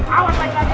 awas lagi aku